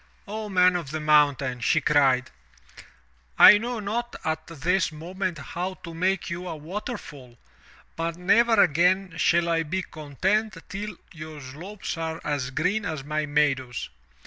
0 Man of the Mountain," she cried, '1 know not at this moment how to make you a waterfall, but never again shall I be content till your slopes are as green as my meadows.